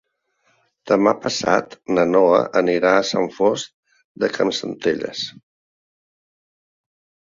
Demà passat na Noa anirà a Sant Fost de Campsentelles.